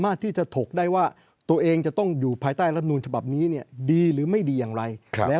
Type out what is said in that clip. ราบนี้ดีหรือไม่ดีอย่างไร